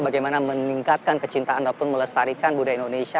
bagaimana meningkatkan kecintaan ataupun melestarikan budaya indonesia